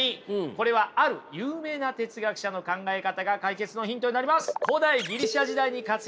これはある有名な哲学者の考え方が解決のヒントになります。